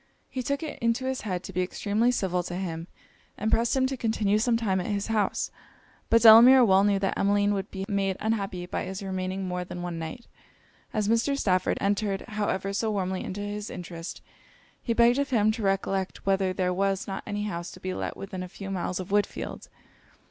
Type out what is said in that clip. He took it into his head to be extremely civil to him, and pressed him to continue some time at his house; but Delamere well knew that Emmeline would be made unhappy by his remaining more than one night; as Mr. Stafford entered however so warmly into his interest, he begged of him to recollect whether there was not any house to be let within a few miles of Woodfield.